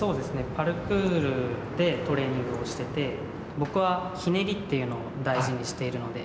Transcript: パルクールでトレーニングをしていて、僕はひねりというのを大事にしているので。